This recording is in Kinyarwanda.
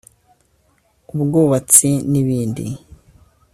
ubwubatsi n’ibindi